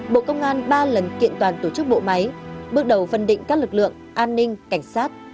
bộ công an ba lần kiện toàn tổ chức bộ máy bước đầu phân định các lực lượng an ninh cảnh sát